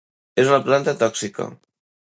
És una planta tòxica.